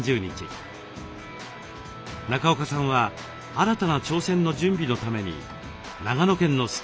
中岡さんは新たな挑戦の準備のために長野県のスキー場に向かっていました。